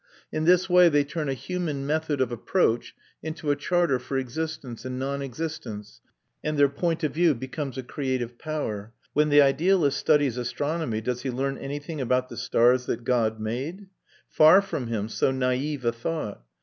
In this way they turn a human method of approach into a charter for existence and non existence, and their point of view becomes the creative power. When the idealist studies astronomy, does he learn anything about the stars that God made? Far from him so naive a thought!